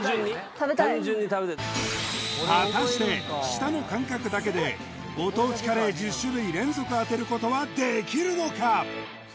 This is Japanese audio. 食べたい果たして舌の感覚だけでご当地カレー１０種類連続当てることはできるのか？